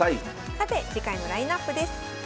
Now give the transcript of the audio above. さて次回のラインナップです。